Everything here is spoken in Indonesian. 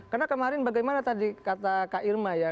karena kemarin bagaimana tadi kata kak irma ya